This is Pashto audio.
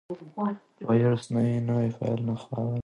که ویروس نه وي نو فایل نه خرابېږي.